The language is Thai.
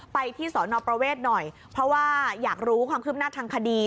ไปที่สอนอประเวทหน่อยเพราะว่าอยากรู้ความคืบหน้าทางคดี